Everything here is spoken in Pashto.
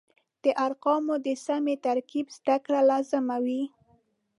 د ارقامو د سمې ترکیب زده کړه لازمه وه.